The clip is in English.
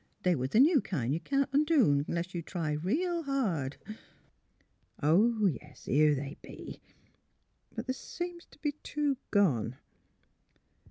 They was the new kind you can't undo unless you try real hard." ''■ Oh, yes ; here they be. ... But the ' seems t' be two gone."